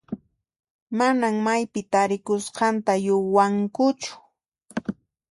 Manan maypi tarikusqanta yachankuchu.